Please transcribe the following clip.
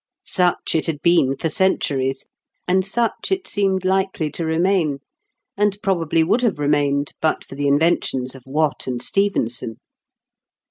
Such it had been for centuries, and such it seemed likely to remain, and probably would have remained, but for the inventions of Watt and Stephenson.